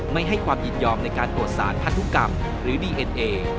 ไม่ให้ความยินยอมในการตรวจสารพันธุกรรมหรือดีเอ็นเอ